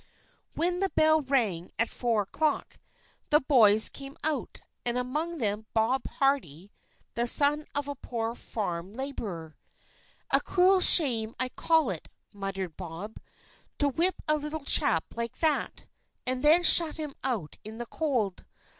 When the bell rang at four o'clock, the boys came out, and among them Bob Hardy, the son of a poor farm laborer. "A cruel shame I call it," muttered Bob, "to whip a little chap like that, and then shut him out in the cold.